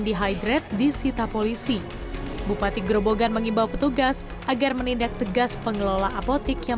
dihidrat di sita polisi bupati grobogan mengimbau petugas agar menindak tegas pengelola apotik yang